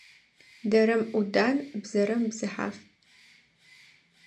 Дэрэм ӏудан, бзэрэм бзыхьаф.